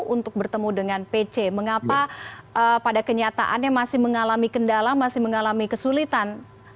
untuk bertemu dengan pc mengapa pada kenyataannya masih mengalami kendala masih mengalami kesulitan